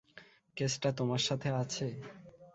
কেসটা তোমার সাথে আছে?